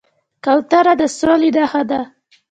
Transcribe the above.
کوتره د سولې نښه ده